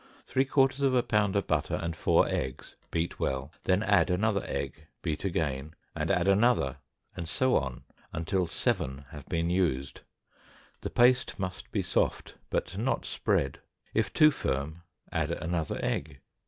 Three quarters of a pound of butter and four eggs, beat well, then add another egg, beat again, and add another, and so on until seven have been used; the paste must be soft, but not spread; if too firm, add another egg.